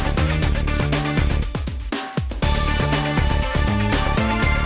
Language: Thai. สวัสดีครับ